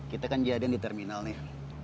kita kan jadian di terminal nih